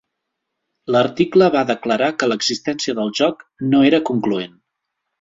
L'article va declarar que l'existència del joc "no era concloent".